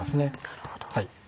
なるほど。